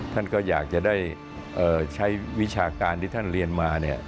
ท่านก็อยากจะได้ใช้วิชาการที่ท่านเรียนมาเนี่ย